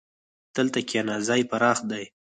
دلته کښېنه، ځای پراخ دی.